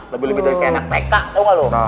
lebih lebih dari kayak anak tk tau enggak lo